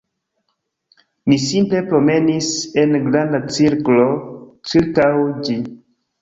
Ni simple promenis en granda cirklo ĉirkaŭ ĝi